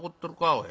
おい。